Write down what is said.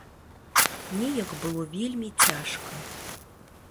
Неяк было вельмі цяжка.